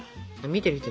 見てる人